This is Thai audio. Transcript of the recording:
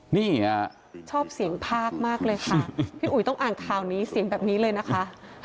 นี่ฮะชอบเสียงภาคมากเลยค่ะพี่อุ๋ยต้องอ่านข่าวนี้เสียงแบบนี้เลยนะคะ